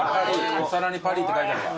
お皿にパリーって書いてあるわ。